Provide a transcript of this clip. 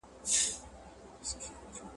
د لور خبرې په غور سره واورئ.